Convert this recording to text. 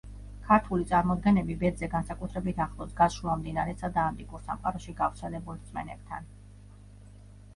ქართული წარმოდგენები ბედზე განსაკუთრებით ახლოს დგას შუამდინარეთსა და ანტიკურ სამყაროში გავრცელებულ რწმენებთან.